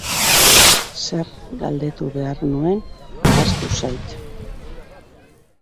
Zer galdetu behar nuen ahaztu zait.